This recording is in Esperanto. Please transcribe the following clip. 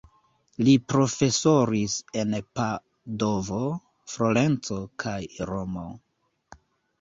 Li profesoris en Padovo, Florenco kaj Romo.